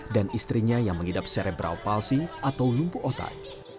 istrinya yang mengidap serebral palsi atau lumpuh otak